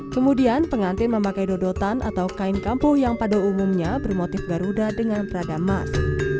kemudian pengantin memakai dodotan atau kain kampung yang pada umumnya bermotif garuda dengan perada emas